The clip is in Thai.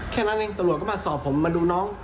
แค่นั้นเองตำรวจก็มาสอบผมมาดูน้อง